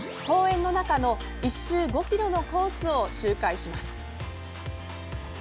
公園の中の１周５ｋｍのコースを周回します。